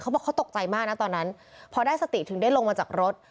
บอกเขาตกใจมากนะตอนนั้นพอได้สติถึงได้ลงมาจากรถ